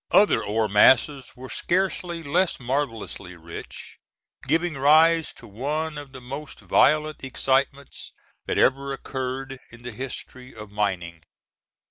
Other ore masses were scarcely less marvelously rich, giving rise to one of the most violent excitements that ever occurred in the history of mining.